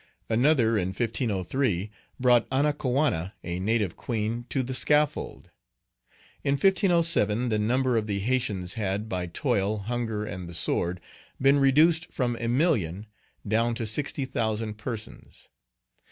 Another, in 1503, brought Anacoana, a native queen, to the scaffold. In 1507, the number of the Haytians had, by toil, hunger, and the sword, been reduced from a million down to sixty thousand persons.